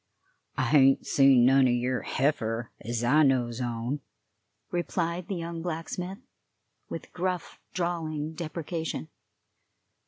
"I hain't seen none o' yer heifer, ez I knows on," replied the young blacksmith, with gruff, drawling deprecation.